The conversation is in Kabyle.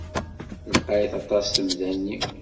Lqayet aṭas temda-nni.